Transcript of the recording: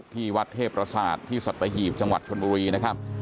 ที่วัดเทพประสาทที่สัตหีบจังหวัดชนบุรีนะครับ